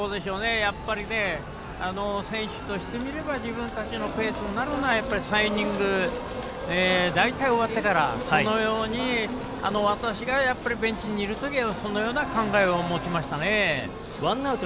選手としてみれば自分たちのペースになるのは３イニング、大体終わってからそのように私がベンチにいる時はそのような考えを持ちましたね。